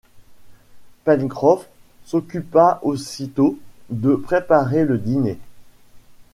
Pencroff s’occupa aussitôt de préparer le dîner